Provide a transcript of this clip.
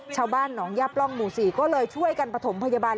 ชาวบ้านหนองย่าปล่องหมู่๔ก็เลยช่วยกันประถมพยาบาล